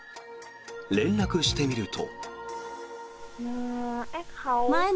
連絡してみると。